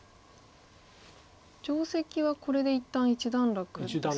定石はこれで一旦一段落ですか？